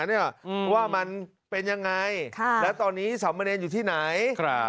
นี่หรออืมว่ามันเป็นยังไงค่ะแล้วตอนนี้สามะเนรนอยู่ที่ไหนครับ